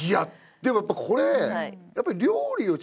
でもやっぱこれ。